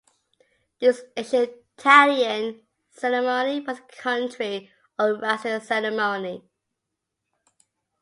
This ancient Italian ceremony was a "country" or rustic ceremony.